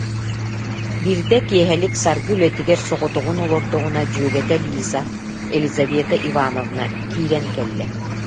Биирдэ киэһэлик Саргы үлэтигэр соҕотоҕун олордоҕуна дьүөгэтэ Лиза, Елизавета Ивановна киирэн кэллэ